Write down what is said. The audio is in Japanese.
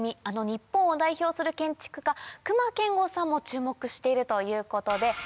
あの日本を代表する建築家隈研吾さんも注目しているということで。